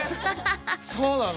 そうなの？